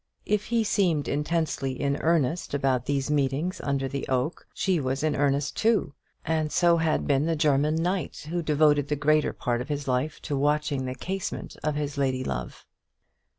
If he seemed intensely in earnest about these meetings under the oak, she was in earnest too; and so had been the German knight, who devoted the greater part of his life to watching the casement of his lady love.